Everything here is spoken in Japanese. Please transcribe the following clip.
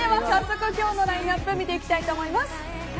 早速、今日のラインアップ見ていきたいと思います。